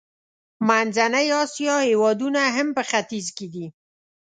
منځنۍ اسیا هېوادونه هم په ختیځ کې دي.